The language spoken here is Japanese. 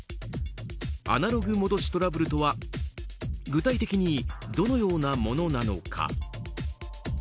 アナログ戻しトラブルとは具体的にどのようなものなのか？